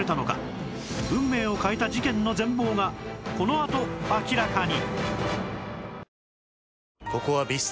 運命を変えた事件の全貌がこのあと明らかに